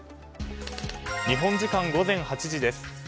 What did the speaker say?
日本時間午前８時です。